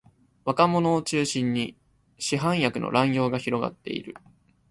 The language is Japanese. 若者を中心に市販薬の乱用が広がっている